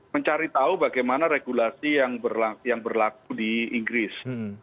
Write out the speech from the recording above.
mencari tahu bagaimana regulasi yang berlaku di inggris